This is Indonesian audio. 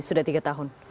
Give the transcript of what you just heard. sudah tiga tahun